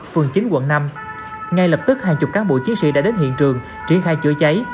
phường chín quận năm ngay lập tức hàng chục cán bộ chiến sĩ đã đến hiện trường triển khai chữa cháy